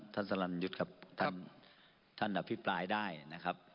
ท่านสลันยุทธ์ครับท่านอภิปรายได้นะครับ